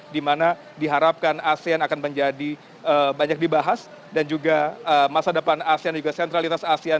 dimana diharapkan asean akan menjadi banyak dibahas dan juga masa depan asean dan juga sentralitas asean